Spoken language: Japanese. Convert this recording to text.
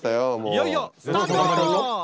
いよいよスタート！